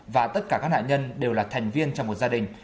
và tất cả các nạn nhân đều là thành viên trong một gia đình